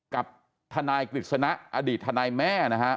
กับทนายกฤษณะอดีตทนายแม่นะฮะ